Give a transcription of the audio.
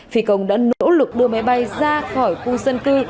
phi công đã nỗ lực đưa máy bay ra khỏi khu dân cư